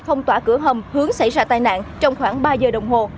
phong tỏa cửa hầm hướng xảy ra tai nạn trong khoảng ba giờ đồng hồ